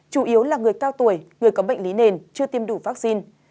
chủ yếu là người cao tuổi người có bệnh lý nền chưa tiêm đủ vaccine